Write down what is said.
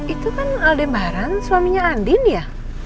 itu kan aldembaran suaminya andin ya